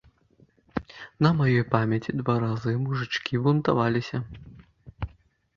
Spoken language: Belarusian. На маёй памяці два разы мужычкі бунтаваліся.